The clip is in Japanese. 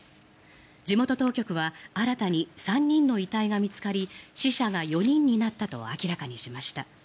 地元当局は新たに３人の遺体が見つかり死者が４人になったと明らかにしました。